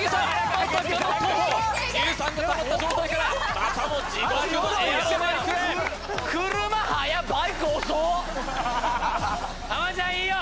まさかの徒歩乳酸がたまった状態からまたも地獄のエアロバイクへハマちゃんいいよ！